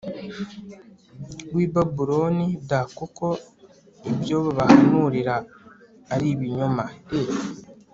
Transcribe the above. w i Babuloni d kuko ibyo babahanurira ari ibinyoma e